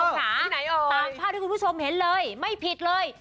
ที่ไหนเอ่ยตามภาวิธีที่คุณผู้ชมเห็นเลยไม่ผิดเลย